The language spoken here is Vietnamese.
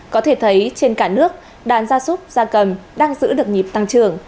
có thể thấy trên cả nước đàn gia súc gia cầm đang giữ được nhịp tăng trưởng